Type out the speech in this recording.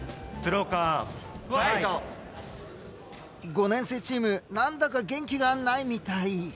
５年生チームなんだか元気がないみたい。